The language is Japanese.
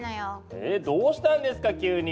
えどうしたんですか急に。